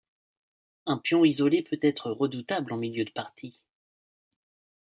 Un pion isolé peut être redoutable en milieu de partie.